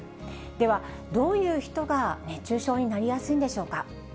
では、どういう人が熱中症になりやすいんでしょうか。